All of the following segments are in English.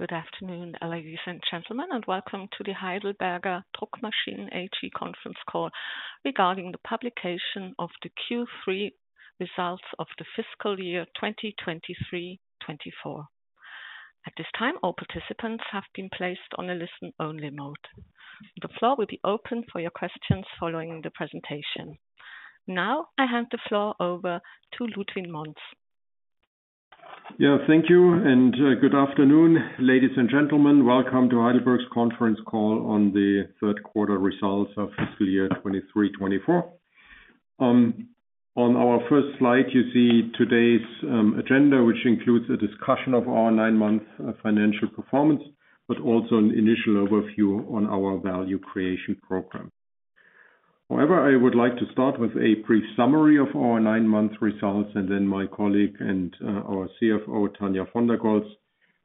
Good afternoon, ladies and gentlemen, and welcome to the Heidelberger Druckmaschinen AG conference call regarding the publication of the Q3 results of the fiscal year 2023-2024. At this time, all participants have been placed on a listen-only mode. The floor will be open for your questions following the presentation. Now, I hand the floor over to Ludwin Monz. Yeah, thank you and, good afternoon, ladies and gentlemen. Welcome to Heidelberg's conference call on the third quarter results of fiscal year 2023, 2024. On our first slide, you see today's agenda, which includes a discussion of our nine-month financial performance, but also an initial overview on our Value Creation Program. However, I would like to start with a brief summary of our nine-month results, and then my colleague and our CFO, Tania von der Goltz,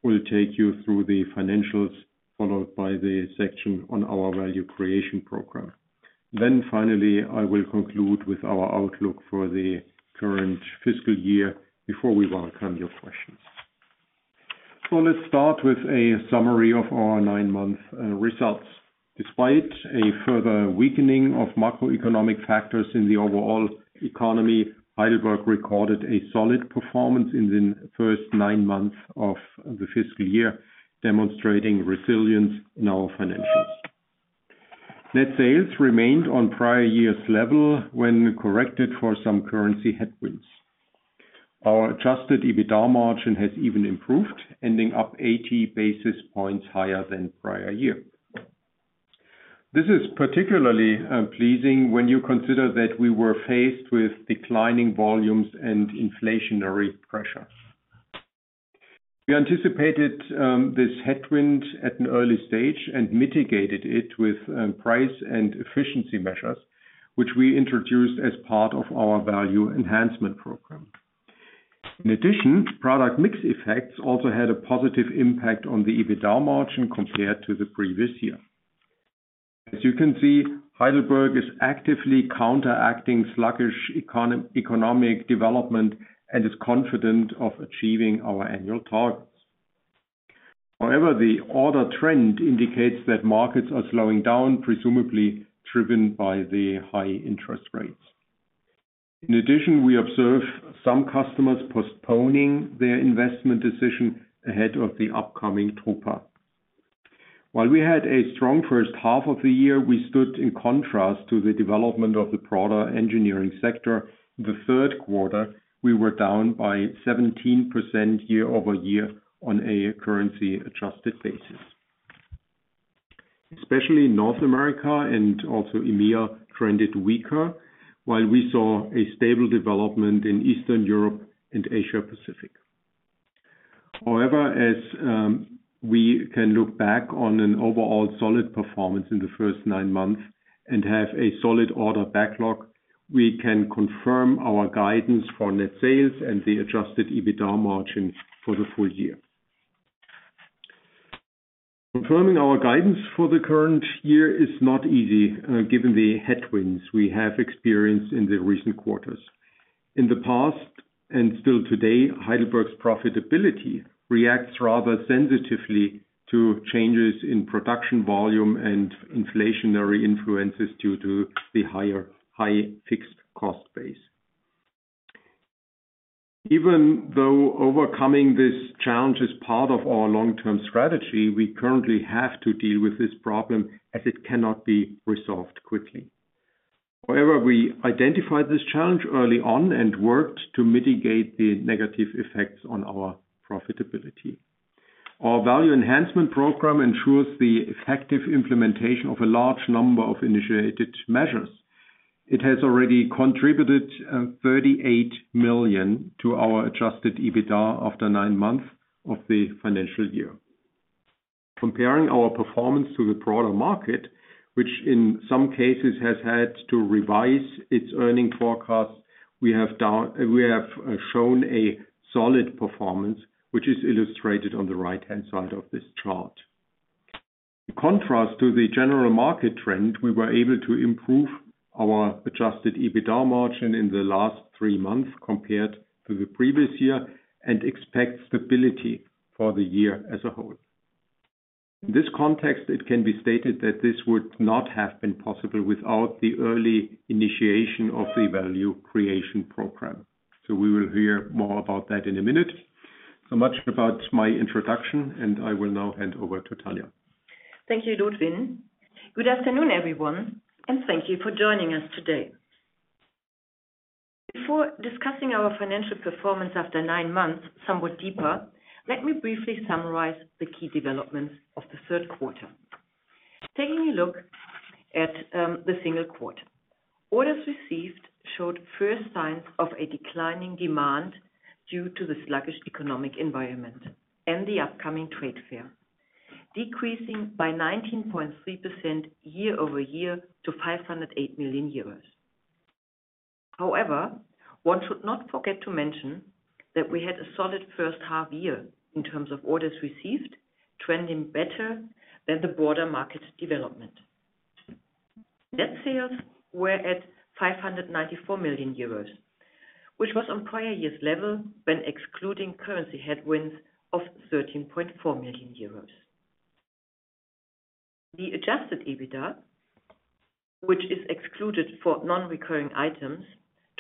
will take you through the financials, followed by the section on our Value Creation Program. Then finally, I will conclude with our outlook for the current fiscal year before we welcome your questions. So let's start with a summary of our nine-month results. Despite a further weakening of macroeconomic factors in the overall economy, Heidelberg recorded a solid performance in the first nine months of the fiscal year, demonstrating resilience in our financials. Net sales remained on prior year's level when corrected for some currency headwinds. Our Adjusted EBITDA margin has even improved, ending up 80 basis points higher than prior year. This is particularly pleasing when you consider that we were faced with declining volumes and inflationary pressure. We anticipated this headwind at an early stage and mitigated it with price and efficiency measures, which we introduced as part of our value enhancement program. In addition, product mix effects also had a positive impact on the EBITDA margin compared to the previous year. As you can see, Heidelberg is actively counteracting sluggish economic development and is confident of achieving our annual targets. However, the order trend indicates that markets are slowing down, presumably driven by the high interest rates. In addition, we observe some customers postponing their investment decision ahead of the upcoming drupa. While we had a strong first half of the year, we stood in contrast to the development of the broader engineering sector. The third quarter, we were down by 17% year-over-year on a currency-adjusted basis. Especially North America and also EMEA trended weaker, while we saw a stable development in Eastern Europe and Asia Pacific. However, as we can look back on an overall solid performance in the first nine months and have a solid order backlog, we can confirm our guidance for net sales and the Adjusted EBITDA margin for the full year. Confirming our guidance for the current year is not easy, given the headwinds we have experienced in the recent quarters. In the past, and still today, Heidelberg's profitability reacts rather sensitively to changes in production volume and inflationary influences due to the higher, high fixed cost base. Even though overcoming this challenge is part of our long-term strategy, we currently have to deal with this problem as it cannot be resolved quickly. However, we identified this challenge early on and worked to mitigate the negative effects on our profitability. Our value enhancement program ensures the effective implementation of a large number of initiated measures. It has already contributed 38 million to our Adjusted EBITDA after nine months of the financial year. Comparing our performance to the broader market, which in some cases has had to revise its earnings forecast, we have shown a solid performance, which is illustrated on the right-hand side of this chart. In contrast to the general market trend, we were able to improve our Adjusted EBITDA margin in the last three months compared to the previous year and expect stability for the year as a whole. In this context, it can be stated that this would not have been possible without the early initiation of the Value Creation Program. So we will hear more about that in a minute. So much about my introduction, and I will now hand over to Tania. Thank you, Ludwin. Good afternoon, everyone, and thank you for joining us today. Before discussing our financial performance after nine months, somewhat deeper, let me briefly summarize the key developments of the third quarter. Taking a look at the single quarter. Orders received showed first signs of a declining demand due to the sluggish economic environment and the upcoming trade fair, decreasing by 19.3% year-over-year to EUR 508 million. However, one should not forget to mention that we had a solid first half year in terms of orders received, trending better than the broader market development.... Net sales were at 594 million euros, which was on prior year's level, when excluding currency headwinds of 13.4 million euros. The Adjusted EBITDA, which is excluded for non-recurring items,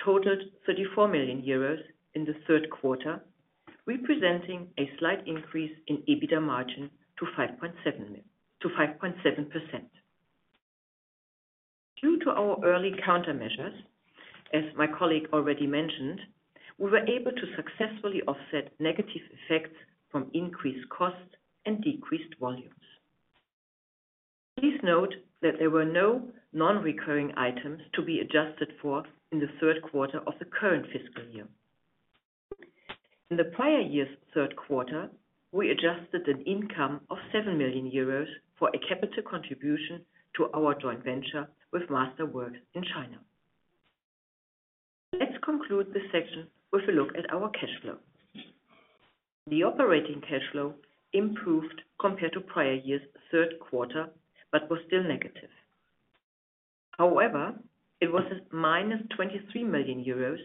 totaled 34 million euros in the third quarter, representing a slight increase in EBITDA margin to 5.7%. Due to our early countermeasures, as my colleague already mentioned, we were able to successfully offset negative effects from increased costs and decreased volumes. Please note that there were no non-recurring items to be adjusted for in the third quarter of the current fiscal year. In the prior year's third quarter, we adjusted an income of 7 million euros for a capital contribution to our joint venture with Masterwork in China. Let's conclude this section with a look at our cash flow. The operating cash flow improved compared to prior year's third quarter, but was still negative. However, it was at -23 million euros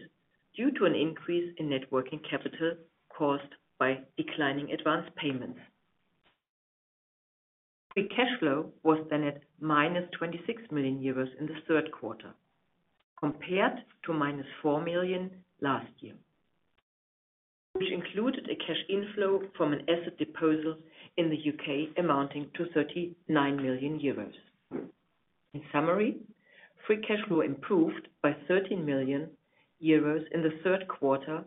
due to an increase in net working capital caused by declining advance payments. The cash flow was then at -26 million euros in the third quarter, compared to -4 million last year, which included a cash inflow from an asset disposal in the U.K. amounting to 39 million euros. In summary, free cash flow improved by 13 million euros in the third quarter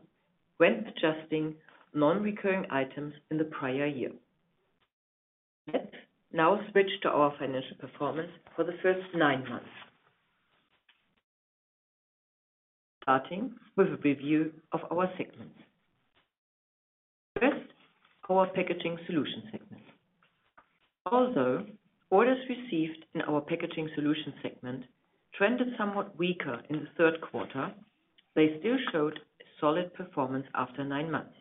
when adjusting non-recurring items in the prior year. Let's now switch to our financial performance for the first nine months. Starting with a review of our segments. First, our Packaging Solutions segment. Although, orders received in our Packaging Solutions segment trended somewhat weaker in the third quarter, they still showed a solid performance after nine months,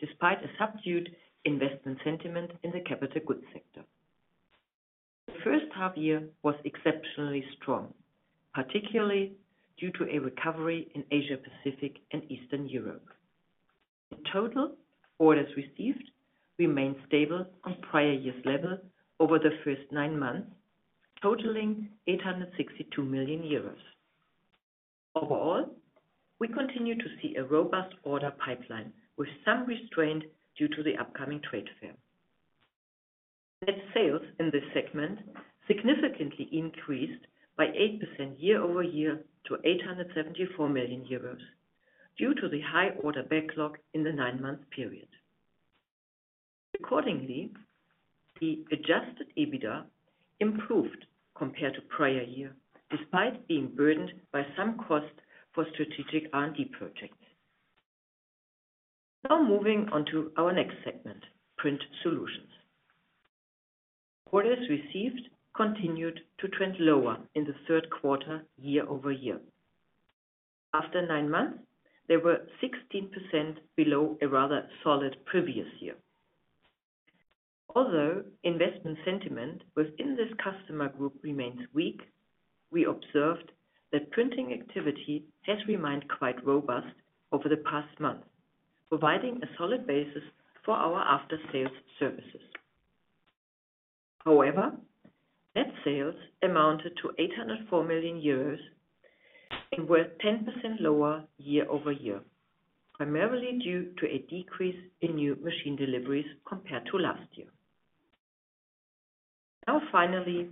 despite a subdued investment sentiment in the capital goods sector. The first half year was exceptionally strong, particularly due to a recovery in Asia Pacific and Eastern Europe. In total, orders received remained stable on prior year's level over the first nine months, totaling 862 million euros. Overall, we continue to see a robust order pipeline, with some restraint due to the upcoming trade fair. Net sales in this segment significantly increased by 8% year-over-year to 874 million euros, due to the high order backlog in the nine-month period. Accordingly, the Adjusted EBITDA improved compared to prior year, despite being burdened by some costs for strategic R&D projects. Now moving on to our next segment, Print Solutions. Orders received continued to trend lower in the third quarter, year-over-year. After nine months, they were 16% below a rather solid previous year. Although investment sentiment within this customer group remains weak, we observed that printing activity has remained quite robust over the past month, providing a solid basis for our after-sales services. However, net sales amounted to 804 million euros and were 10% lower year-over-year, primarily due to a decrease in new machine deliveries compared to last year. Now, finally,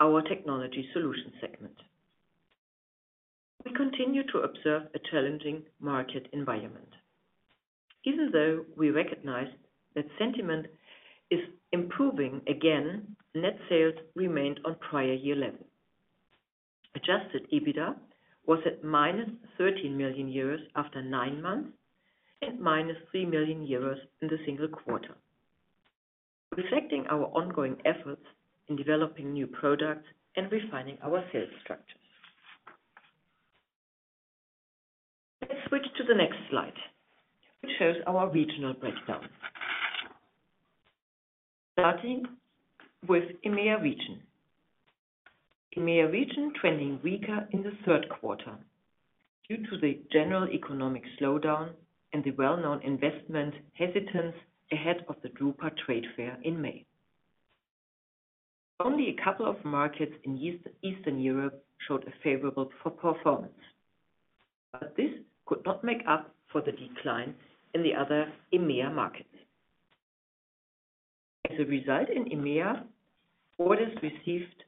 our Technology Solutions segment. We continue to observe a challenging market environment. Even though we recognize that sentiment is improving again, net sales remained on prior-year level. Adjusted EBITDA was at -13 million euros after nine months and -3 million euros in the third quarter, reflecting our ongoing efforts in developing new products and refining our sales structures. Let's switch to the next slide, which shows our regional breakdown. Starting with EMEA region. EMEA region trending weaker in the third quarter due to the general economic slowdown and the well-known investment hesitance ahead of the drupa trade fair in May. Only a couple of markets in Eastern Europe showed a favorable performance, but this could not make up for the decline in the other EMEA markets. As a result in EMEA, orders received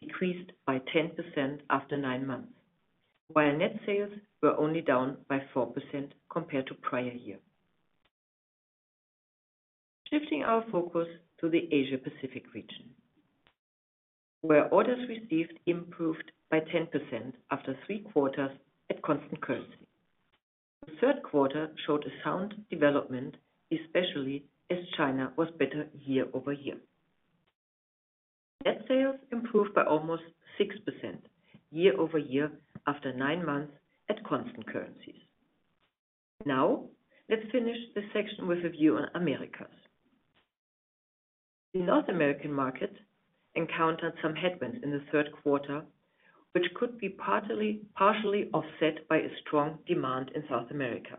decreased by 10% after nine months, while net sales were only down by 4% compared to prior year. Shifting our focus to the Asia Pacific region, where orders received improved by 10% after three quarters at constant currency. The third quarter showed a sound development, especially as China was better year-over-year. Net sales improved by almost 6% year-over-year after nine months at constant currencies. Now, let's finish this section with a view on Americas. The North American market encountered some headwinds in the third quarter, which could be partly, partially offset by a strong demand in South America.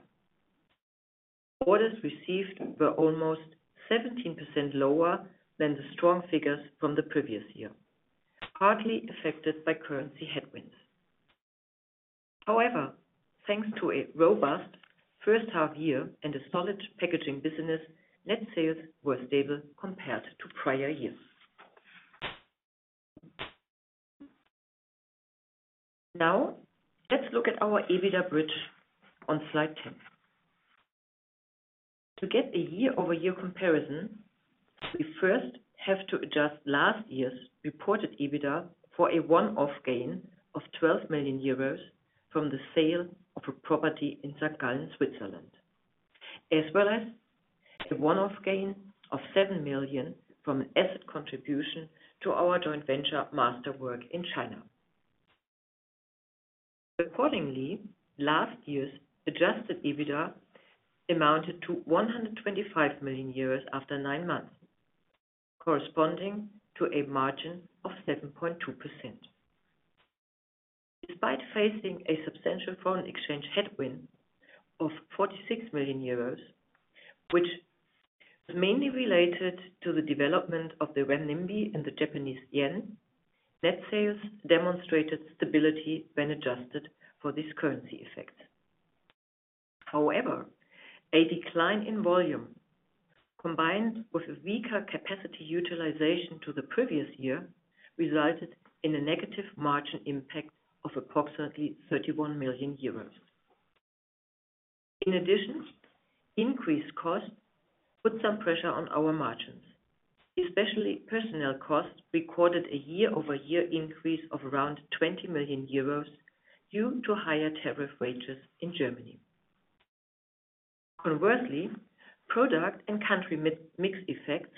Orders received were almost 17% lower than the strong figures from the previous year, hardly affected by currency headwinds. However, thanks to a robust first half year and a solid packaging business, net sales were stable compared to prior years. Now, let's look at our EBITDA bridge on slide 10. To get a year-over-year comparison, we first have to adjust last year's reported EBITDA for a one-off gain of 12 million euros from the sale of a property in St. Gallen, Switzerland, as well as a one-off gain of 7 million from an asset contribution to our joint venture, Masterwork in China. Accordingly, last year's adjusted EBITDA amounted to 125 million euros after nine months, corresponding to a margin of 7.2%. Despite facing a substantial foreign exchange headwind of 46 million euros, which is mainly related to the development of the renminbi and the Japanese yen, net sales demonstrated stability when adjusted for this currency effect. However, a decline in volume, combined with a weaker capacity utilization to the previous year, resulted in a negative margin impact of approximately 31 million euros. In addition, increased costs put some pressure on our margins. Especially personnel costs recorded a year-over-year increase of around 20 million euros due to higher tariff wages in Germany. Conversely, product and country mix effects,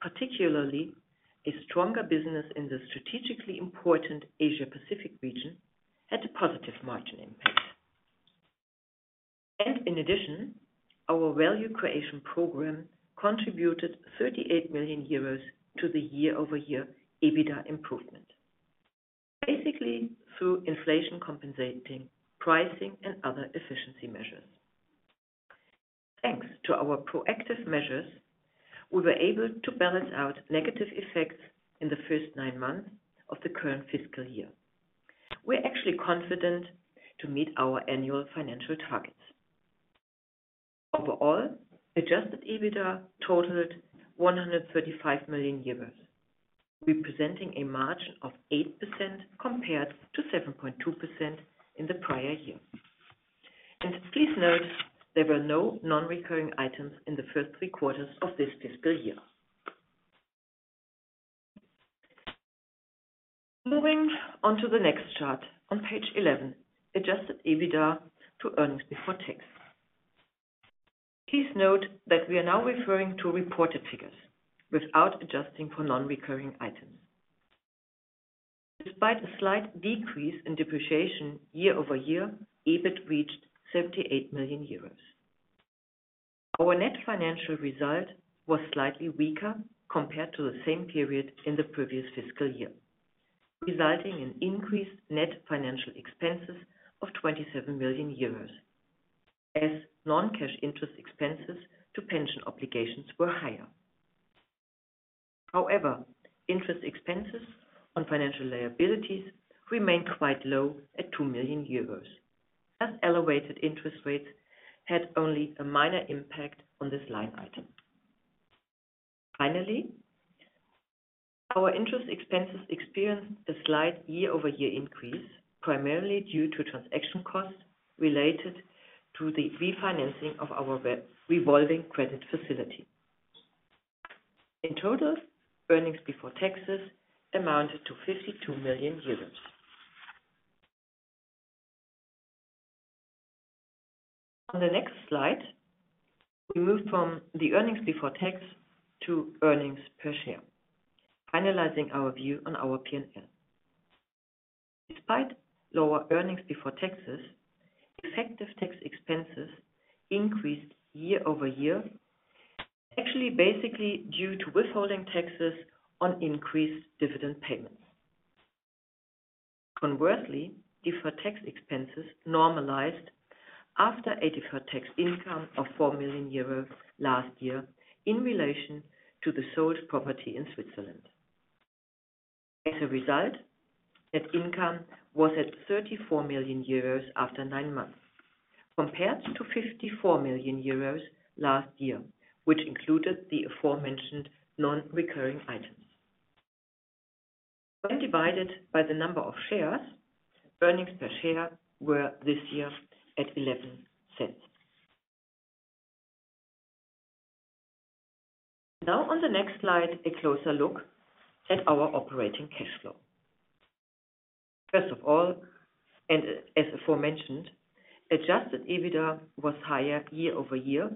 particularly a stronger business in the strategically important Asia Pacific region, had a positive margin impact. In addition, our value creation program contributed 38 million euros to the year-over-year EBITDA improvement, basically through inflation-compensating pricing and other efficiency measures. Thanks to our proactive measures, we were able to balance out negative effects in the first nine months of the current fiscal year. We're actually confident to meet our annual financial targets. Overall, adjusted EBITDA totaled 135 million euros, representing a margin of 8% compared to 7.2% in the prior year. And please note, there were no non-recurring items in the first three quarters of this fiscal year. Moving on to the next chart on page 11, adjusted EBITDA to earnings before tax. Please note that we are now referring to reported figures without adjusting for non-recurring items. Despite a slight decrease in depreciation year-over-year, EBIT reached 78 million euros. Our net financial result was slightly weaker compared to the same period in the previous fiscal year, resulting in increased net financial expenses of 27 million euros, as non-cash interest expenses to pension obligations were higher. However, interest expenses on financial liabilities remained quite low at 2 million euros, as elevated interest rates had only a minor impact on this line item. Finally, our interest expenses experienced a slight year-over-year increase, primarily due to transaction costs related to the refinancing of our revolving credit facility. In total, earnings before taxes amounted to 52 million euros. On the next slide, we move from the earnings before tax to earnings per share, finalizing our view on our P&L. Despite lower earnings before taxes, effective tax expenses increased year-over-year, actually, basically due to withholding taxes on increased dividend payments. Conversely, deferred tax expenses normalized after a deferred tax income of 4 million euros last year in relation to the sold property in Switzerland. As a result, net income was at 34 million euros after nine months, compared to 54 million euros last year, which included the aforementioned non-recurring items. When divided by the number of shares, earnings per share were this year at 0.11. Now on the next slide, a closer look at our operating cash flow. First of all, and as aforementioned, Adjusted EBITDA was higher year-over-year,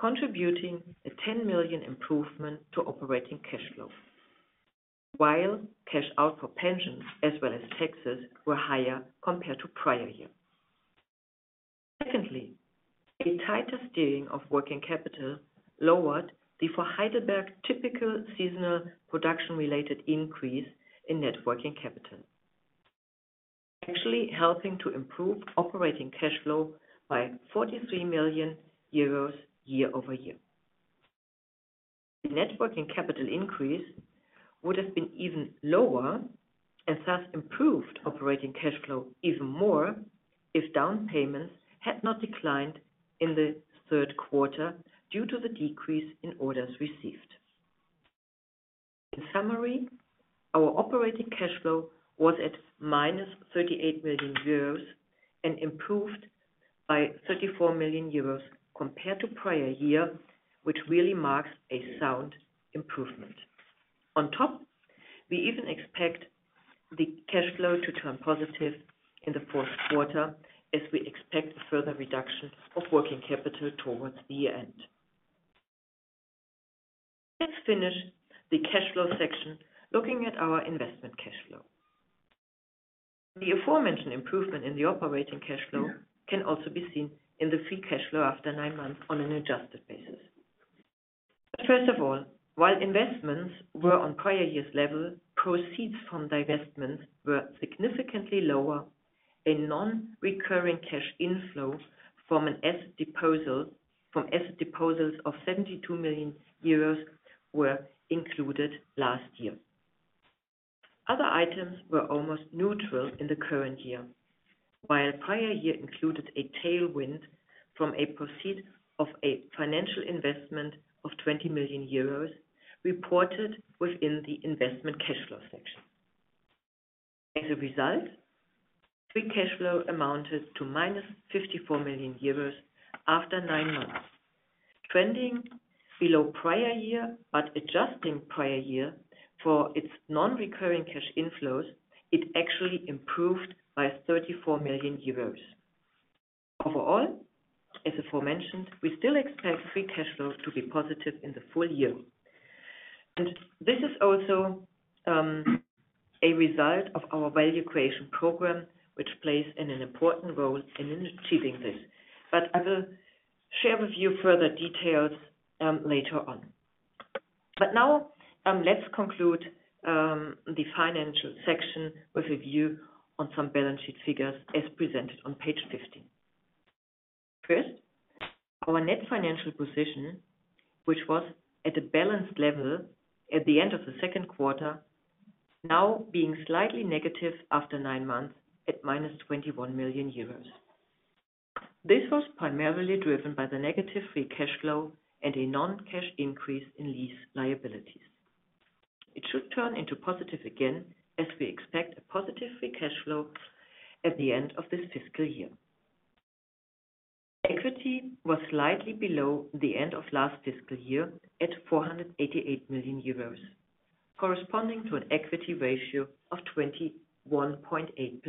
contributing a 10 million improvement to operating cash flow, while cash out for pensions as well as taxes were higher compared to prior year. Secondly, a tighter steering of working capital lowered the, for Heidelberg, typical seasonal production-related increase in net working capital, actually helping to improve operating cash flow by 43 million euros year-over-year. The net working capital increase would have been even lower, and thus improved operating cash flow even more, if down payments had not declined in the third quarter due to the decrease in orders received. In summary, our operating cash flow was at -38 million euros, and improved by 34 million euros compared to prior year, which really marks a sound improvement. On top, we even expect the cash flow to turn positive in the fourth quarter, as we expect a further reduction of working capital towards the end. Let's finish the cash flow section, looking at our investment cash flow. The aforementioned improvement in the operating cash flow can also be seen in the free cash flow after nine months on an adjusted basis. First of all, while investments were on prior year's level, proceeds from divestments were significantly lower. In non-recurring cash inflows from an asset disposal, from asset disposals of 72 million euros were included last year. Other items were almost neutral in the current year, while prior year included a tailwind from a proceed of a financial investment of 20 million euros, reported within the investment cash flow section. As a result, Free Cash Flow amounted to -54 million euros after nine months, trending below prior year, but adjusting prior year for its non-recurring cash inflows, it actually improved by 34 million euros. Overall, as aforementioned, we still expect Free Cash Flow to be positive in the full year. And this is also a result of our Value Creation Program, which plays an important role in achieving this. But I will share with you further details, later on. Now, let's conclude the financial section with a view on some balance sheet figures, as presented on page 15. First, our net financial position, which was at a balanced level at the end of the second quarter, now being slightly negative after nine months, at -21 million euros. This was primarily driven by the negative Free Cash Flow and a non-cash increase in lease liabilities. It should turn into positive again, as we expect a positive Free Cash Flow at the end of this fiscal year. Equity was slightly below the end of last fiscal year, at 488 million euros, corresponding to an equity ratio of 21.8%.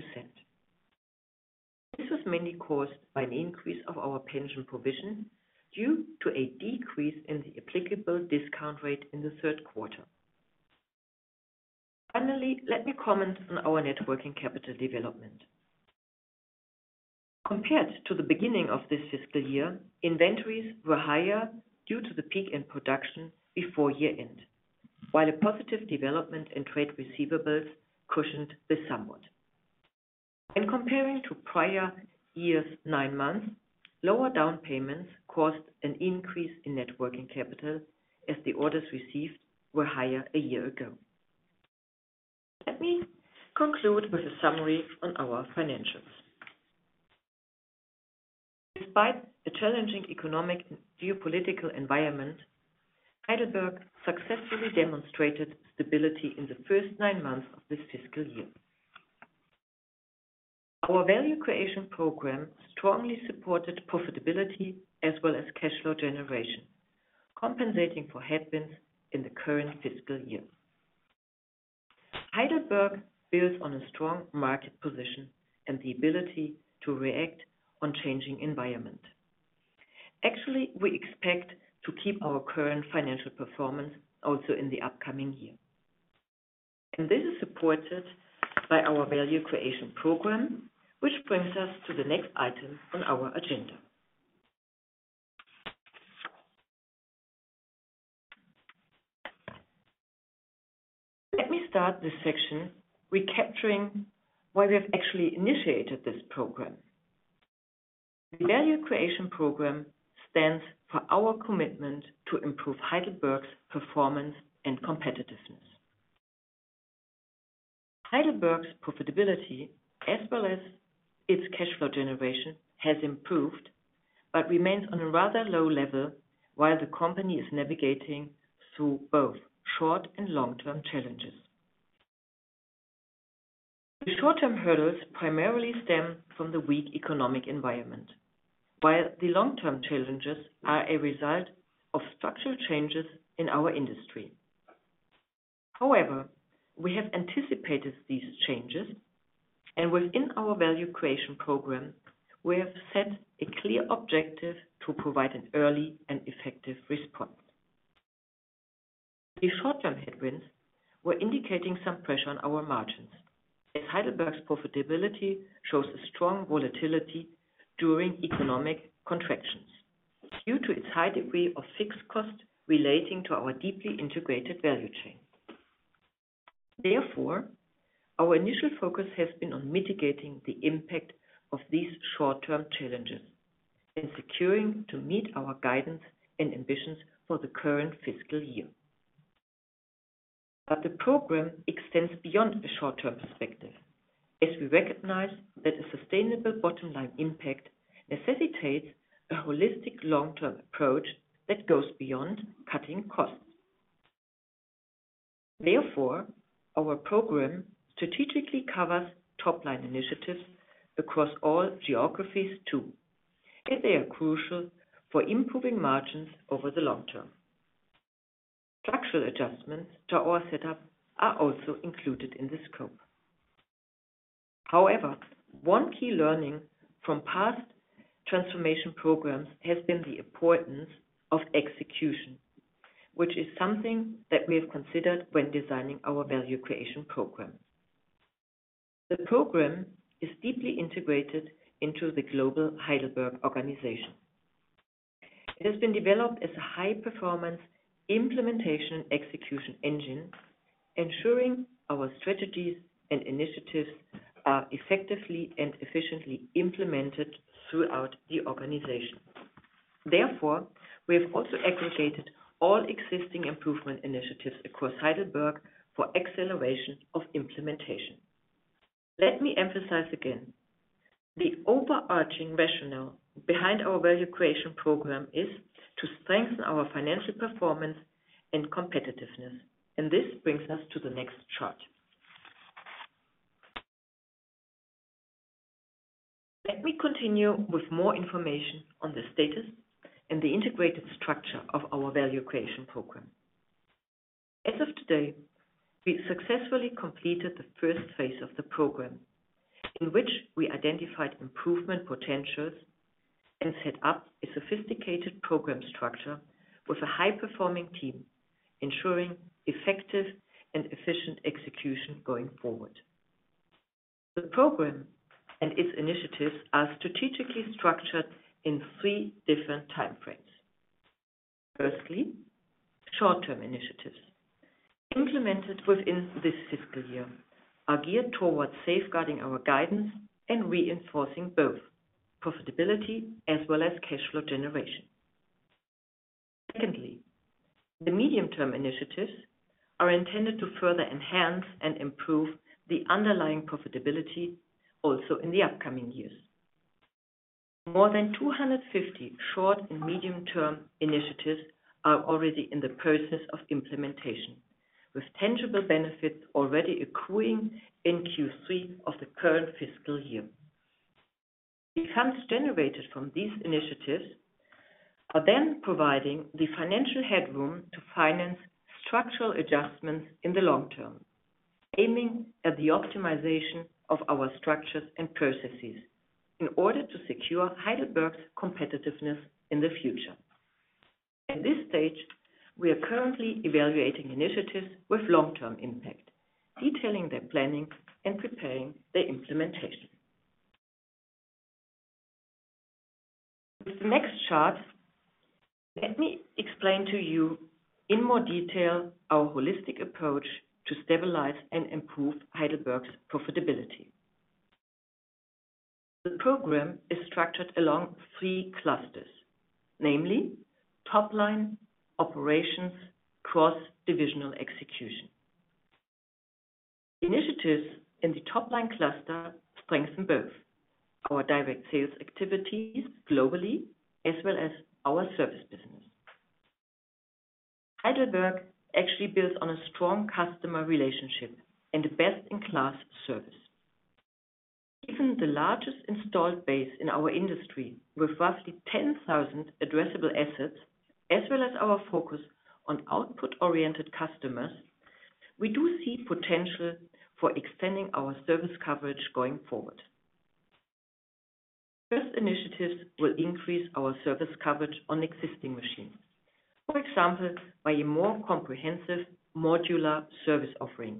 This was mainly caused by an increase of our pension provision due to a decrease in the applicable discount rate in the third quarter. Finally, let me comment on our Net Working Capital development. Compared to the beginning of this fiscal year, inventories were higher due to the peak in production before year-end, while a positive development in trade receivables cushioned this somewhat. In comparing to prior year's nine months, lower down payments caused an increase in Net Working Capital, as the orders received were higher a year ago. Let me conclude with a summary on our financials. Despite the challenging economic and geopolitical environment, Heidelberg successfully demonstrated stability in the first nine months of this fiscal year. Our Value Creation Program strongly supported profitability as well as cash flow generation, compensating for headwinds in the current fiscal year. Heidelberg builds on a strong market position and the ability to react on changing environment. Actually, we expect to keep our current financial performance also in the upcoming year, and this is supported by our Value Creation Program, which brings us to the next item on our agenda. Let me start this section recapturing why we have actually initiated this program. The Value Creation Program stands for our commitment to improve Heidelberg's performance and competitiveness. Heidelberg's profitability, as well as its cash flow generation, has improved, but remains on a rather low level, while the company is navigating through both short and long-term challenges. The short-term hurdles primarily stem from the weak economic environment, while the long-term challenges are a result of structural changes in our industry. However, we have anticipated these changes. Within our Value Creation Program, we have set a clear objective to provide an early and effective response. The short-term headwinds were indicating some pressure on our margins, as Heidelberg's profitability shows a strong volatility during economic contractions due to its high degree of fixed costs relating to our deeply integrated value chain. Therefore, our initial focus has been on mitigating the impact of these short-term challenges and securing to meet our guidance and ambitions for the current fiscal year. The program extends beyond a short-term perspective, as we recognize that a sustainable bottom-line impact necessitates a holistic long-term approach that goes beyond cutting costs. Therefore, our program strategically covers top-line initiatives across all geographies, too, as they are crucial for improving margins over the long term. Structural adjustments to our setup are also included in the scope. However, one key learning from past transformation programs has been the importance of execution, which is something that we have considered when designing our Value Creation Program. The program is deeply integrated into the global Heidelberg organization. It has been developed as a high-performance implementation and execution engine, ensuring our strategies and initiatives are effectively and efficiently implemented throughout the organization. Therefore, we have also aggregated all existing improvement initiatives across Heidelberg for acceleration of implementation. Let me emphasize again, the overarching rationale behind our Value Creation Program is to strengthen our financial performance and competitiveness. This brings us to the next chart. Let me continue with more information on the status and the integrated structure of our Value Creation Program. As of today, we've successfully completed the first phase of the program, in which we identified improvement potentials and set up a sophisticated program structure with a high-performing team, ensuring effective and efficient execution going forward. The program and its initiatives are strategically structured in three different time frames. Firstly, short-term initiatives, implemented within this fiscal year, are geared towards safeguarding our guidance and reinforcing both profitability as well as cash flow generation. Secondly, the medium-term initiatives are intended to further enhance and improve the underlying profitability also in the upcoming years. More than 250 short and medium-term initiatives are already in the process of implementation, with tangible benefits already accruing in Q3 of the current fiscal year. The funds generated from these initiatives are then providing the financial headroom to finance structural adjustments in the long term, aiming at the optimization of our structures and processes in order to secure Heidelberg's competitiveness in the future. At this stage, we are currently evaluating initiatives with long-term impact, detailing their planning and preparing their implementation. With the next chart, let me explain to you in more detail our holistic approach to stabilize and improve Heidelberg's profitability. The program is structured along three clusters, namely top line, operations, cross-divisional execution. Initiatives in the top line cluster strengthen both our direct sales activities globally as well as our service business. Heidelberg actually builds on a strong customer relationship and a best-in-class service. Given the largest installed base in our industry, with roughly 10,000 addressable assets, as well as our focus on output-oriented customers, we do see potential for extending our service coverage going forward. First initiatives will increase our service coverage on existing machines. For example, by a more comprehensive modular service offering,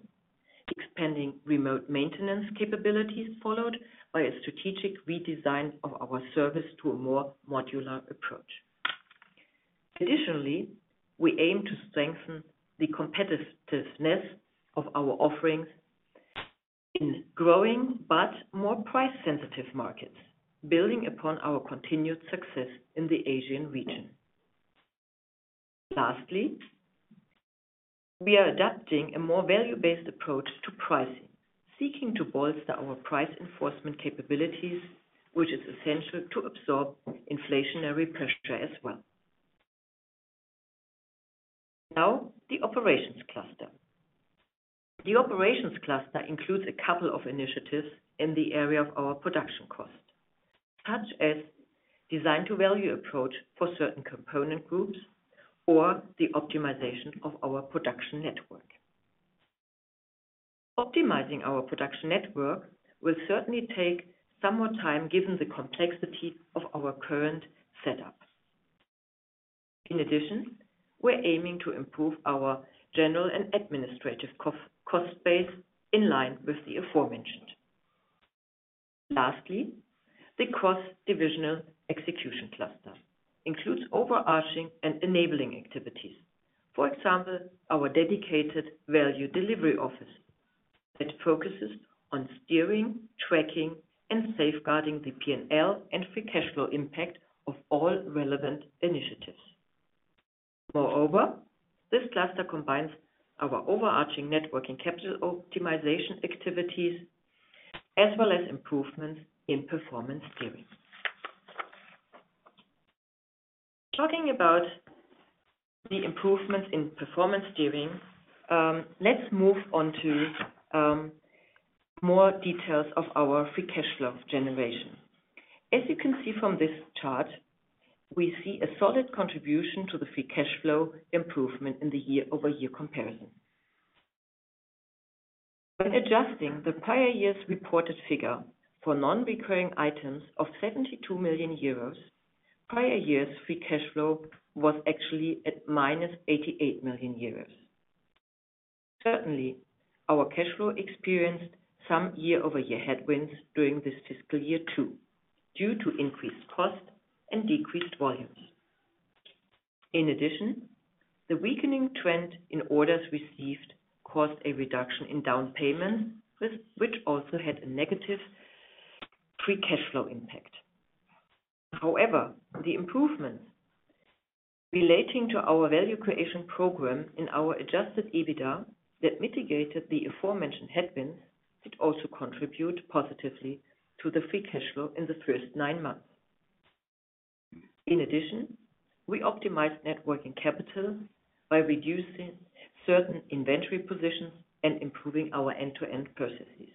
expanding remote maintenance capabilities, followed by a strategic redesign of our service to a more modular approach. Additionally, we aim to strengthen the competitiveness of our offerings in growing but more price-sensitive markets, building upon our continued success in the Asian region. Lastly, we are adapting a more value-based approach to pricing, seeking to bolster our price enforcement capabilities, which is essential to absorb inflationary pressure as well. Now, the operations cluster. The operations cluster includes a couple of initiatives in the area of our production costs, such as design to value approach for certain component groups or the optimization of our production network. Optimizing our production network will certainly take some more time, given the complexity of our current setup. In addition, we're aiming to improve our general and administrative cost base in line with the aforementioned. Lastly, the cross-divisional execution cluster includes overarching and enabling activities. For example, our dedicated value delivery office that focuses on steering, tracking, and safeguarding the P&L and free cash flow impact of all relevant initiatives. Moreover, this cluster combines our overarching network and capital optimization activities, as well as improvements in performance steering. Talking about the improvements in performance steering, let's move on to more details of our Free Cash Flow generation. As you can see from this chart, we see a solid contribution to the Free Cash Flow improvement in the year-over-year comparison. By adjusting the prior year's reported figure for non-recurring items of 72 million euros, prior years' Free Cash Flow was actually at -88 million euros. Certainly, our cash flow experienced some year-over-year headwinds during this fiscal year, too, due to increased costs and decreased volumes. In addition, the weakening trend in orders received caused a reduction in down payments, which also had a negative Free Cash Flow impact. However, the improvements relating to our Value Creation Program in our Adjusted EBITDA, that mitigated the aforementioned headwinds, it also contribute positively to the Free Cash Flow in the first nine months. In addition, we optimized Net Working Capital by reducing certain inventory positions and improving our end-to-end processes.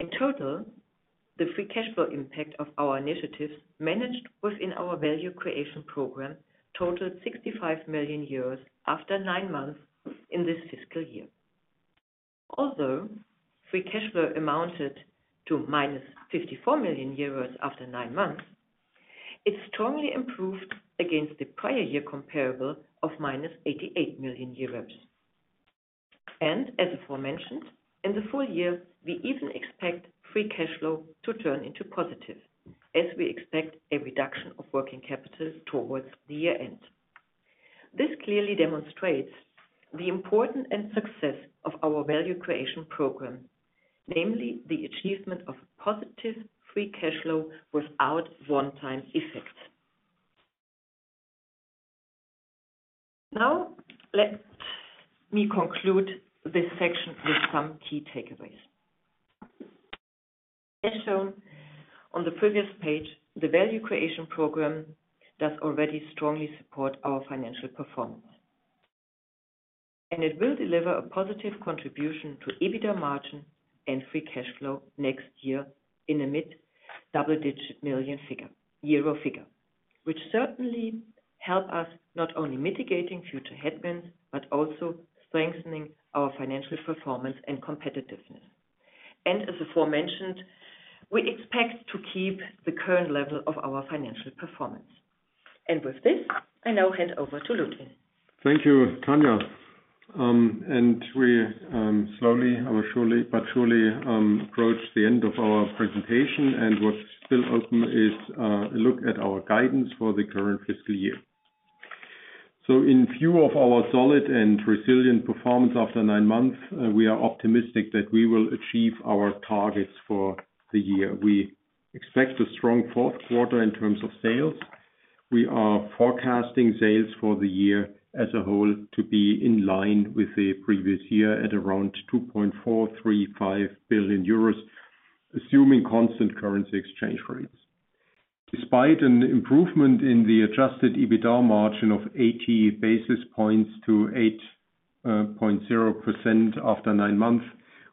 In total, the Free Cash Flow impact of our initiatives managed within our Value Creation Program totaled 65 million euros after nine months in this fiscal year. Although Free Cash Flow amounted to -54 million euros after nine months, it strongly improved against the prior year comparable of -88 million euros. As aforementioned, in the full year, we even expect Free Cash Flow to turn into positive, as we expect a reduction of working capital towards the year-end. This clearly demonstrates the importance and success of our Value Creation Program, namely the achievement of positive Free Cash Flow without one-time effects. Now, let me conclude this section with some key takeaways. As shown on the previous page, the Value Creation Program does already strongly support our financial performance. It will deliver a positive contribution to EBITDA margin and free cash flow next year in a mid-double-digit million-euro figure, which certainly help us not only mitigating future headwinds, but also strengthening our financial performance and competitiveness. As aforementioned, we expect to keep the current level of our financial performance. With this, I now hand over to Ludwin. Thank you, Tania. And we slowly or surely, but surely, approach the end of our presentation, and what's still open is a look at our guidance for the current fiscal year. So in view of our solid and resilient performance after nine months, we are optimistic that we will achieve our targets for the year. We expect a strong fourth quarter in terms of sales. We are forecasting sales for the year as a whole to be in line with the previous year, at around 2.435 billion euros, assuming constant currency exchange rates. Despite an improvement in the Adjusted EBITDA margin of eighty basis points to 8.0% after nine months,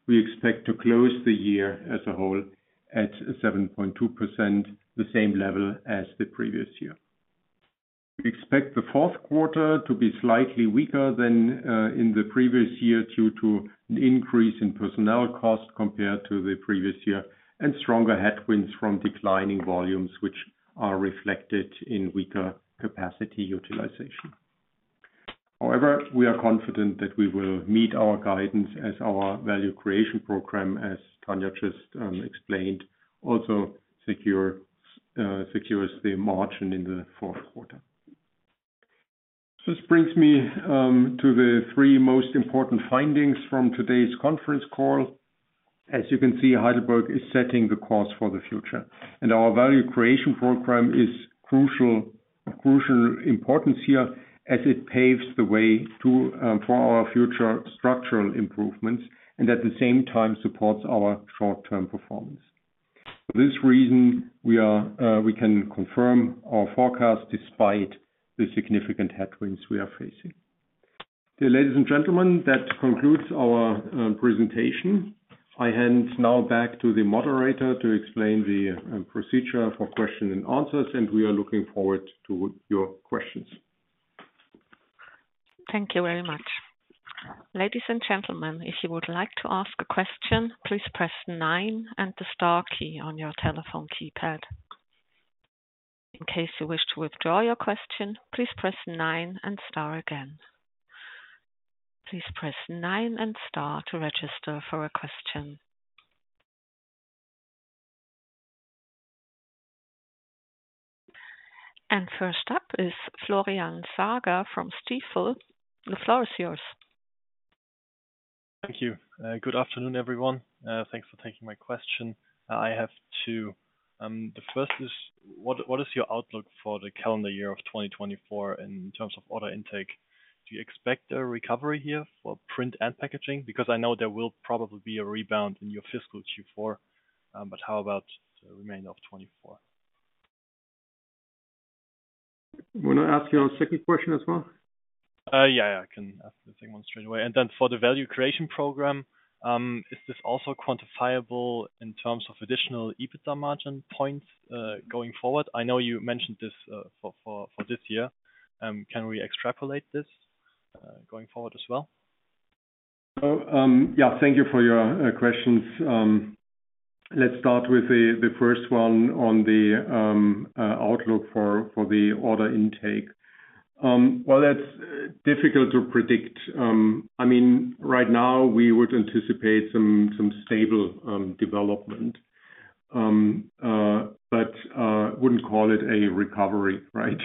we expect to close the year as a whole at 7.2%, the same level as the previous year. We expect the fourth quarter to be slightly weaker than in the previous year, due to an increase in personnel costs compared to the previous year, and stronger headwinds from declining volumes, which are reflected in weaker capacity utilization. However, we are confident that we will meet our guidance as our Value Creation Program, as Tania just explained, also secures the margin in the fourth quarter. This brings me to the three most important findings from today's conference call. As you can see, Heidelberg is setting the course for the future, and our Value Creation Program is crucial, of crucial importance here as it paves the way to for our future structural improvements and at the same time supports our short-term performance. For this reason, we can confirm our forecast despite the significant headwinds we are facing. Ladies and gentlemen, that concludes our presentation. I hand now back to the moderator to explain the procedure for question and answers, and we are looking forward to your questions. Thank you very much. Ladies and gentlemen, if you would like to ask a question, please press nine and the star key on your telephone keypad. In case you wish to withdraw your question, please press nine and star again. Please press nine and star to register for a question. First up is Florian Sager from Stifel. The floor is yours. Thank you. Good afternoon, everyone. Thanks for taking my question. I have two. The first is, what is your outlook for the calendar year of 2024 in terms of order intake? Do you expect a recovery here for print and packaging? Because I know there will probably be a rebound in your fiscal Q4, but how about the remainder of 2024? Want to ask your second question as well? Yeah, I can ask the second one straight away. And then for the Value Creation Program, is this also quantifiable in terms of additional EBITDA margin points, going forward? I know you mentioned this for this year. Can we extrapolate this, going forward as well? So, yeah, thank you for your questions. Let's start with the first one on the outlook for the order intake. Well, that's difficult to predict. I mean, right now, we would anticipate some stable development. But wouldn't call it a recovery, right?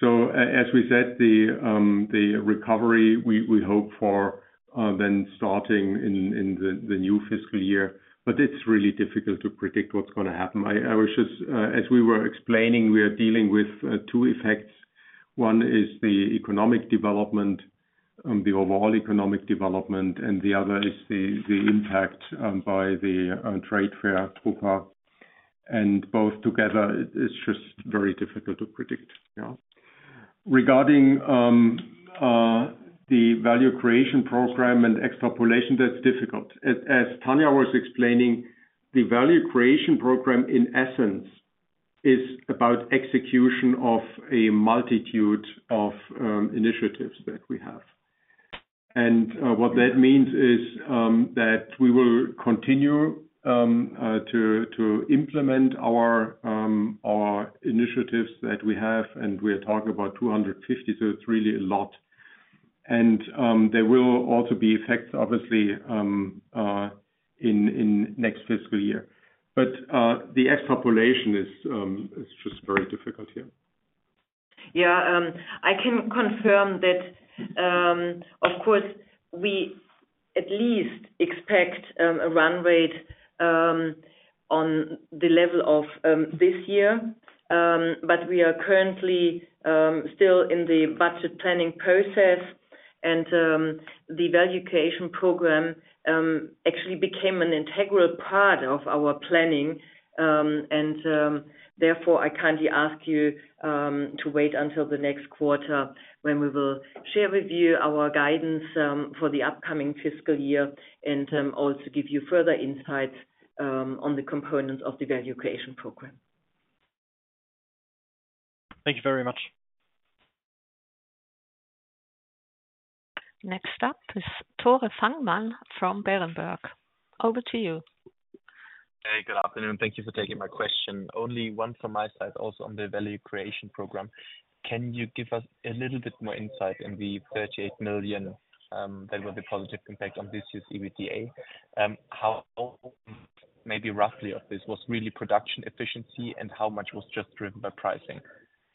So as we said, the recovery we hope for then starting in the new fiscal year, but it's really difficult to predict what's going to happen. I was just as we were explaining, we are dealing with two effects. One is the economic development, the overall economic development, and the other is the impact by the trade fair drupa, and both together, it's just very difficult to predict. Yeah. Regarding the Value Creation Program and extrapolation, that's difficult. As Tania was explaining, the Value Creation Program, in essence, is about execution of a multitude of initiatives that we have. What that means is that we will continue to implement our initiatives that we have, and we are talking about 250. So it's really a lot. And there will also be effects, obviously, in next fiscal year. But the extrapolation is just very difficult here. Yeah. I can confirm that, of course, we at least expect a run rate on the level of this year. But we are currently still in the budget planning process, and the Value Creation Program actually became an integral part of our planning. And therefore, I kindly ask you to wait until the next quarter, when we will share with you our guidance for the upcoming fiscal year, and also give you further insights on the components of the Value Creation Program. Thank you very much. Next up is Tore Fangmann from Berenberg. Over to you. Hey, good afternoon. Thank you for taking my question. Only one from my side, also on the Value Creation Program. Can you give us a little bit more insight in the 38 million that were the positive impact on this year's EBITDA? How maybe roughly of this was really production efficiency and how much was just driven by pricing?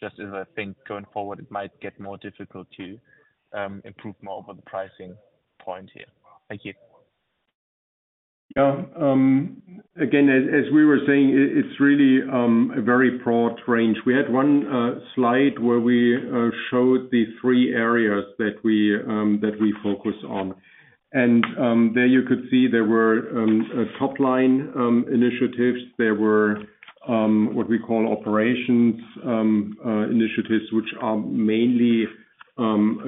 Just as I think going forward, it might get more difficult to improve more over the pricing point here. Thank you. Yeah. Again, as we were saying, it's really a very broad range. We had one slide where we showed the three areas that we focus on. And there you could see there were a top-line initiatives. There were what we call operations initiatives, which are mainly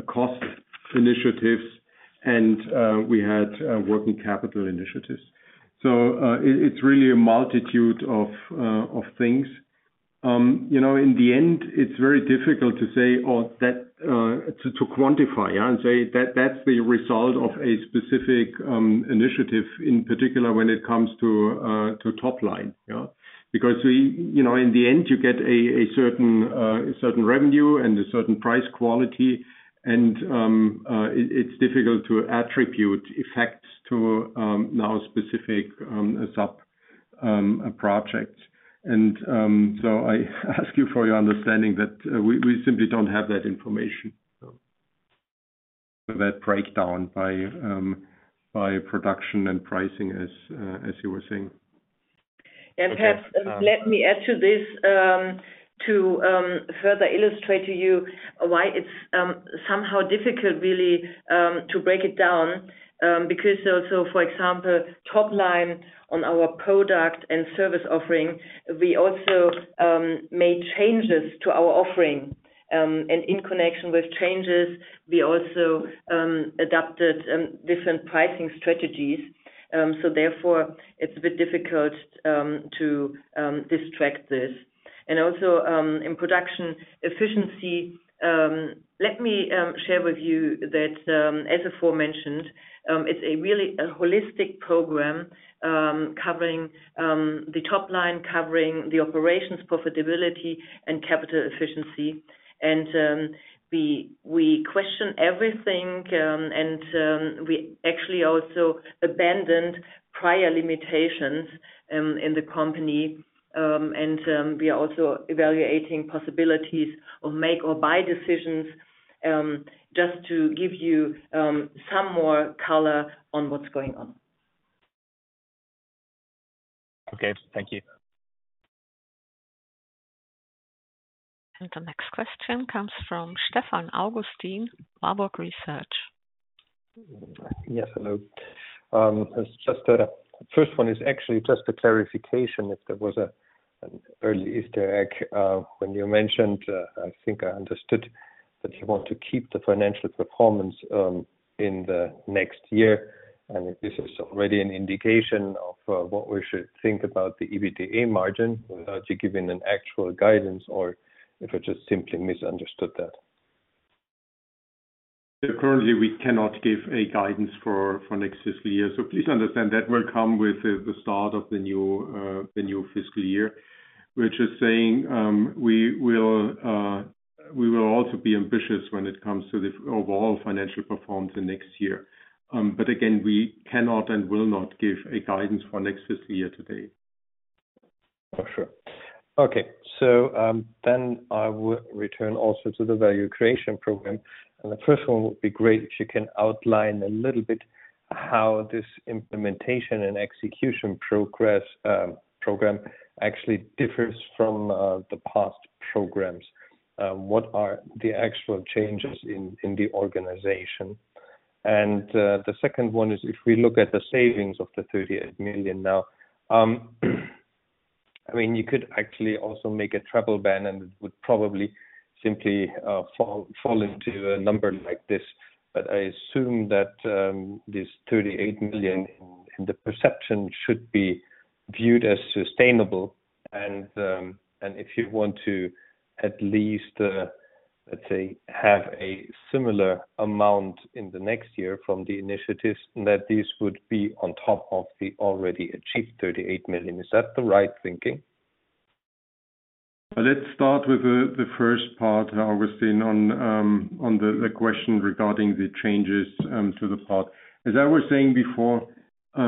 cost initiatives, and we had working capital initiatives. So it's really a multitude of things. You know, in the end, it's very difficult to say or that to quantify, yeah, and say that that's the result of a specific initiative, in particular, when it comes to top line, yeah. Because, you know, in the end, you get a certain revenue and a certain price quality, and it’s difficult to attribute effects to now specific sub projects. So I ask you for your understanding that we simply don’t have that information, so. That breakdown by production and pricing, as you were saying. And perhaps, let me add to this, to further illustrate to you why it's somehow difficult really to break it down. Because also, for example, top line on our product and service offering, we also made changes to our offering. And in connection with changes, we also adapted different pricing strategies. So therefore, it's a bit difficult to dissect this. And also, in production efficiency, let me share with you that, as aforementioned, it's really a holistic program covering the top line, covering the operations profitability and capital efficiency. And we question everything, and we actually also abandoned prior limitations in the company. We are also evaluating possibilities of make or buy decisions, just to give you some more color on what's going on. Okay, thank you. The next question comes from Stefan Augustin, Warburg Research. Yes, hello. Just the first one is actually just a clarification. If there was an early Easter egg, when you mentioned, I think I understood that you want to keep the financial performance in the next year, and if this is already an indication of what we should think about the EBITDA margin without you giving an actual guidance, or if I just simply misunderstood that? Currently, we cannot give a guidance for next fiscal year, so please understand that will come with the start of the new fiscal year. We're just saying, we will also be ambitious when it comes to the overall financial performance in next year. But again, we cannot and will not give a guidance for next fiscal year today. For sure. Okay, so, then I would return also to the Value Creation Program. The first one would be great if you can outline a little bit how this implementation and execution progress, program actually differs from, the past programs. What are the actual changes in, in the organization? The second one is, if we look at the savings of the 38 million now, I mean, you could actually also make a travel ban, and it would probably simply fall into a number like this. But I assume that, this 38 million in the perception should be viewed as sustainable and, and if you want to at least, let's say, have a similar amount in the next year from the initiatives, that this would be on top of the already achieved 38 million. Is that the right thinking? Let's start with the first part, Augustin, on the question regarding the changes to the part. As I was saying before,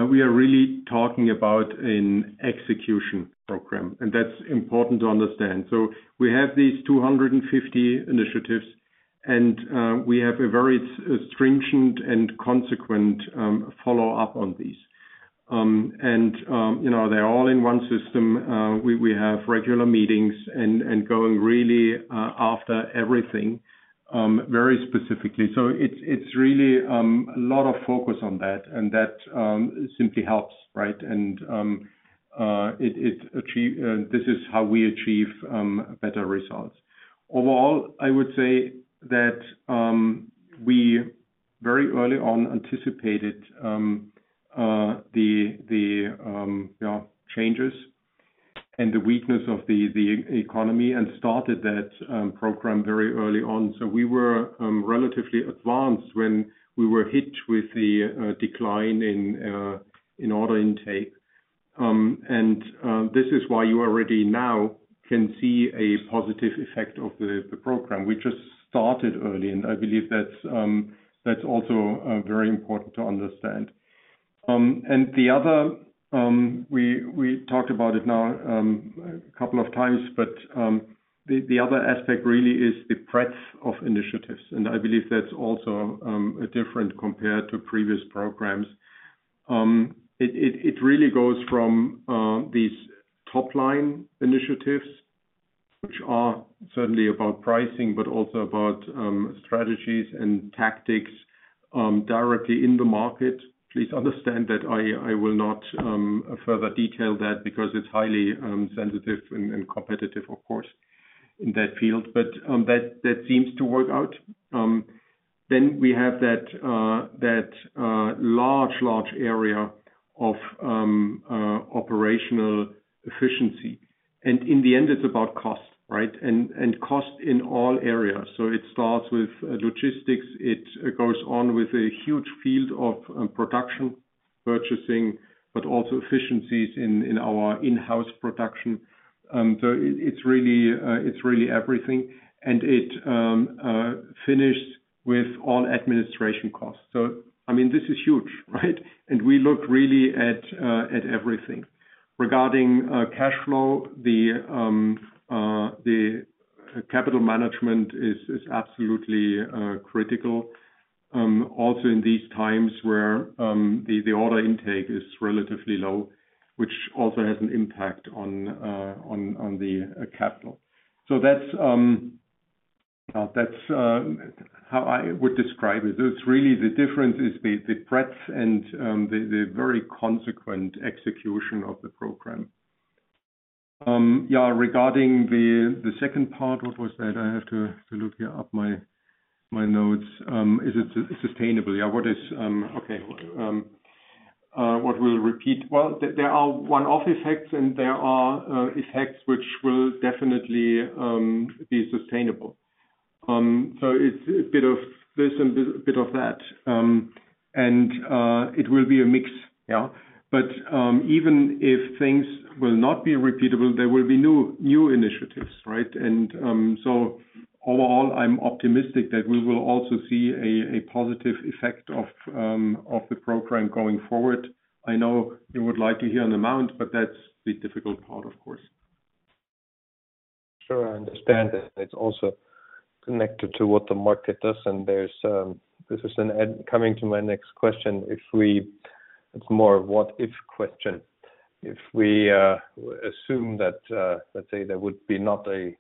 we are really talking about an execution program, and that's important to understand. So we have these 250 initiatives, and we have a very stringent and consequent follow-up on these. And you know, they're all in one system. We have regular meetings and going really after everything very specifically. So it's really a lot of focus on that, and that simply helps, right? And this is how we achieve better results. Overall, I would say that we very early on anticipated the you know changes and the weakness of the economy and started that program very early on. So we were relatively advanced when we were hit with the decline in order intake. And this is why you already now can see a positive effect of the program. We just started early, and I believe that's also very important to understand. And the other we talked about it now a couple of times, but the other aspect really is the breadth of initiatives, and I believe that's also a different compared to previous programs. It really goes from these top line initiatives, which are certainly about pricing, but also about strategies and tactics directly in the market. Please understand that I will not further detail that because it's highly sensitive and competitive, of course, in that field, but that seems to work out. Then we have that large area of operational efficiency. And in the end, it's about cost, right? And cost in all areas. So it starts with logistics, it goes on with a huge field of production, purchasing, but also efficiencies in our in-house production. So it's really everything, and it finished with all administration costs. So I mean, this is huge, right? And we look really at everything. Regarding cash flow, the capital management is absolutely critical, also in these times where the order intake is relatively low, which also has an impact on the capital. So that's how I would describe it. It's really the difference is the breadth and the very consequent execution of the program. Yeah, regarding the second part, what was that? I have to look here up my notes. Is it sustainable? Yeah. What is okay, what will repeat? Well, there are one-off effects, and there are effects which will definitely be sustainable. So it's a bit of this and bit of that, and it will be a mix. Yeah. But even if things will not be repeatable, there will be new initiatives, right? And so overall, I'm optimistic that we will also see a positive effect of the program going forward. I know you would like to hear an amount, but that's the difficult part, of course. Sure, I understand that it's also connected to what the market does, and coming to my next question. It's more of what if question. If we assume that, let's say there would be not a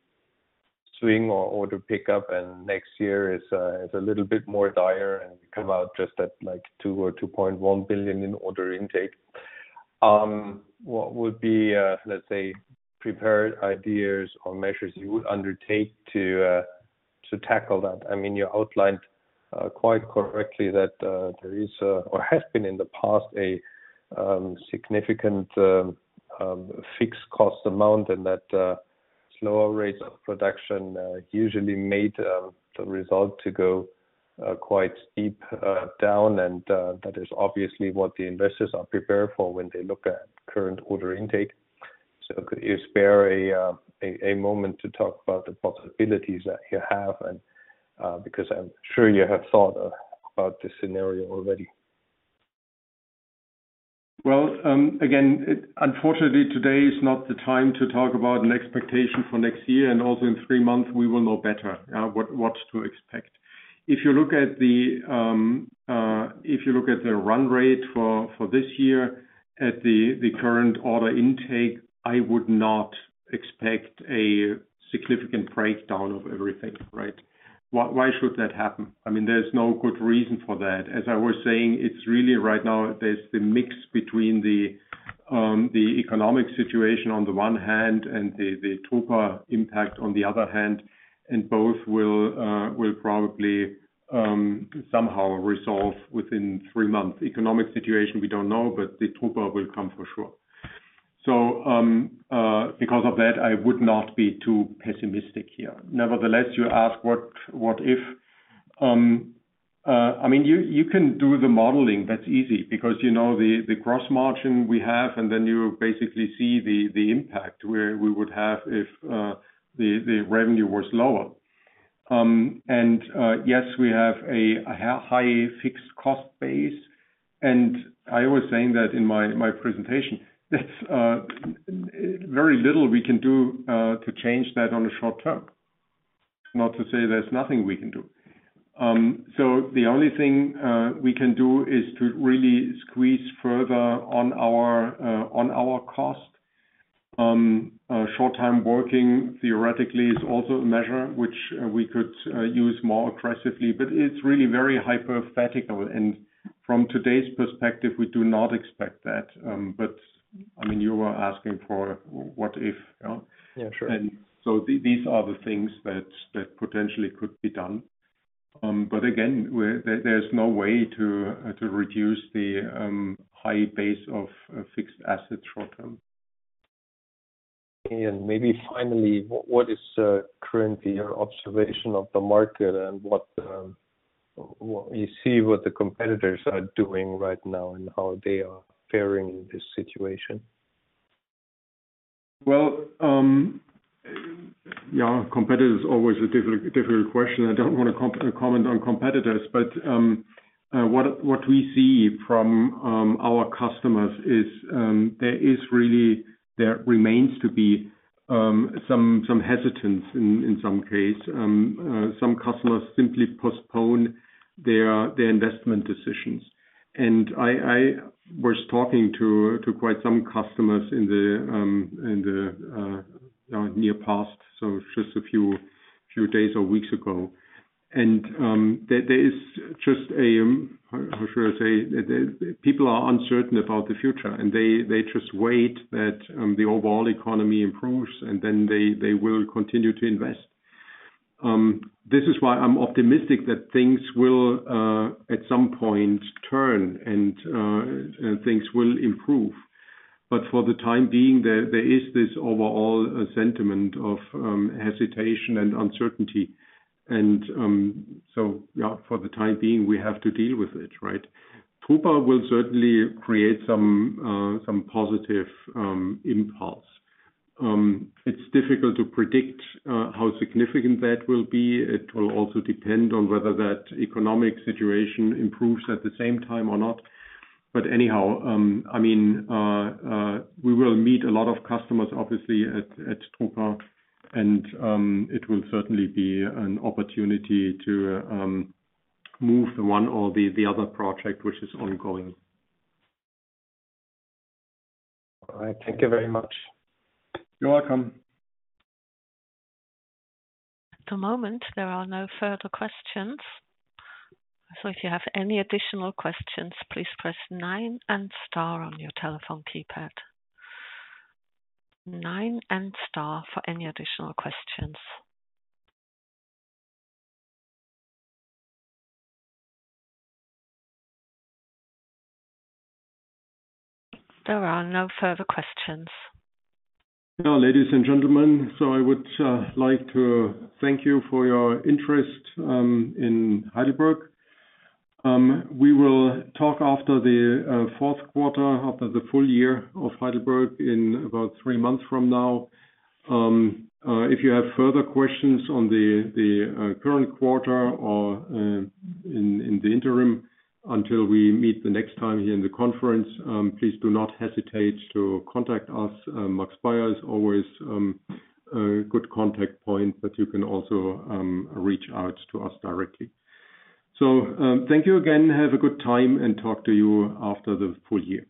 swing or order pickup, and next year is a little bit more dire and come out just at, like, 2 billion or 2.1 billion in order intake. What would be, let's say, prepared ideas or measures you would undertake to tackle that? I mean, you outlined quite correctly that there is or has been in the past a significant fixed cost amount and that slower rates of production usually made the result to go quite deep down. That is obviously what the investors are prepared for when they look at current order intake. Could you spare a moment to talk about the possibilities that you have and, because I'm sure you have thought about this scenario already. Well, again, it unfortunately, today is not the time to talk about an expectation for next year, and also in three months, we will know better, what to expect. If you look at the run rate for this year, at the current order intake, I would not expect a significant breakdown of everything, right? Why should that happen? I mean, there's no good reason for that. As I was saying, it's really right now, there's the mix between the economic situation on the one hand, and the drupa impact on the other hand, and both will probably somehow resolve within three months. Economic situation, we don't know, but the drupa will come for sure. So, because of that, I would not be too pessimistic here. Nevertheless, you ask what if? I mean, you can do the modeling, that's easy, because you know the gross margin we have, and then you basically see the impact where we would have if the revenue was lower. And yes, we have a high fixed cost base, and I was saying that in my presentation, that's very little we can do to change that on the short term. Not to say there's nothing we can do. So the only thing we can do is to really squeeze further on our on our cost. Short-time working, theoretically, is also a measure which we could use more aggressively, but it's really very hypothetical, and from today's perspective, we do not expect that. But I mean, you were asking for what if, yeah? Yeah, sure. And so these are the things that potentially could be done. But again, there, there's no way to reduce the high base of fixed asset short term. Maybe finally, what is currently your observation of the market and what you see what the competitors are doing right now and how they are faring in this situation? Well, yeah, competitor is always a difficult, difficult question. I don't want to comment on competitors, but what we see from our customers is there really remains to be some hesitance in some case. Some customers simply postpone their investment decisions. I was talking to quite some customers in the near past, so just a few days or weeks ago. There is just a, how should I say? People are uncertain about the future, and they just wait that the overall economy improves, and then they will continue to invest. This is why I'm optimistic that things will at some point turn and things will improve. But for the time being, there is this overall sentiment of hesitation and uncertainty. So yeah, for the time being, we have to deal with it, right? drupa will certainly create some positive impulse. It's difficult to predict how significant that will be. It will also depend on whether that economic situation improves at the same time or not. But anyhow, I mean, we will meet a lot of customers, obviously, at drupa, and it will certainly be an opportunity to move the one or the other project, which is ongoing. All right. Thank you very much. You're welcome. At the moment, there are no further questions. So if you have any additional questions, please press nine and star on your telephone keypad. Nine and star for any additional questions. There are no further questions. Well, ladies and gentlemen, so I would like to thank you for your interest in Heidelberg. We will talk after the fourth quarter, after the full year of Heidelberg in about three months from now. If you have further questions on the current quarter or in the interim, until we meet the next time here in the conference, please do not hesitate to contact us. Max Bayer is always a good contact point, but you can also reach out to us directly. So, thank you again. Have a good time, and talk to you after the full year.